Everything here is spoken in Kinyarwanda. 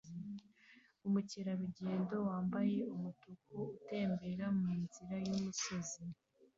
Umukerarugendo wambaye umutuku utembera mu nzira y'umusozi